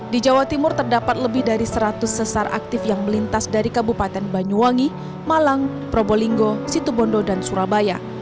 di jawa timur terdapat lebih dari seratus sesar aktif yang melintas dari kabupaten banyuwangi malang probolinggo situbondo dan surabaya